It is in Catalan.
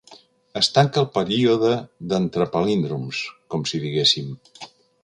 Es tanca el període d'entre-palíndroms, com si diguéssim.